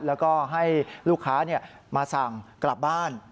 แล้วก็ให้ลูกค้ามาสั่งกลับบ้าน